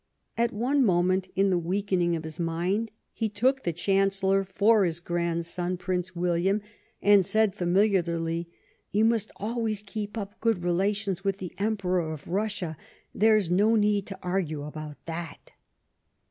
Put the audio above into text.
At one moment, in the weakening of his mind, he took the Chancellor for his grandson. Prince William, and said familiarly :" You must always keep up good relations with the Emperor of Russia ; there's no need to argue aboi;t that."